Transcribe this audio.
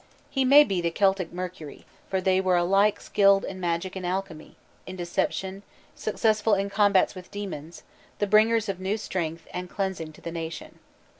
He may be the Celtic Mercury, for they were alike skilled in magic and alchemy, in deception, successful in combats with demons, the bringers of new strength and cleansing to the nation.